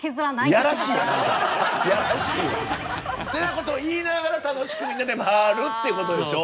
ってな事を言いながら楽しくみんなで回るっていう事でしょ？